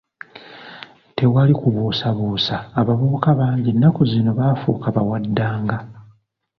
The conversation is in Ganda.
Tewali kubuusabuusa abavubuka bangi ennaku zino baafuuka bawaddanga.